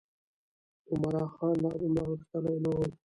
عمرا خان لا دومره غښتلی نه و.